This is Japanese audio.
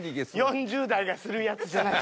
４０代がするやつじゃない。